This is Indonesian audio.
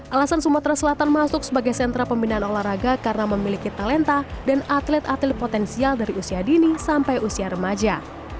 alasan sumatera selatan masuk sebagai sentra pembinaan olahraga karena memiliki talenta dan atlet atlet potensial dari usia dini sampai usia remaja